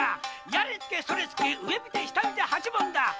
やれ突けそれ突け上見て下見て八文だ！